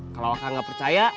kalau kang gak percaya